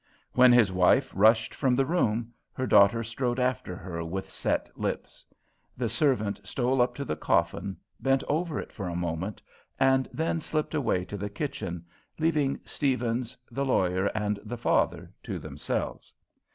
When his wife rushed from the room, her daughter strode after her with set lips. The servant stole up to the coffin, bent over it for a moment, and then slipped away to the kitchen, leaving Steavens, the lawyer, and the father to themselves.